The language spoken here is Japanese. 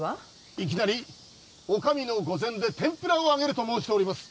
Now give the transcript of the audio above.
いきなりお上の御前で天ぷらを揚げると申しております